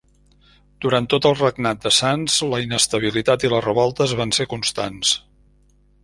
Durant tot el regnat de Sanç, la inestabilitat i les revoltes van ser constants.